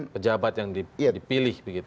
pejabat yang dipilih